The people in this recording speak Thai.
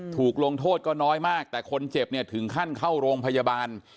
ลงโทษก็น้อยมากแต่คนเจ็บเนี่ยถึงขั้นเข้าโรงพยาบาล